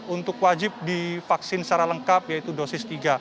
untuk wajib divaksin secara lengkap yaitu dosis tiga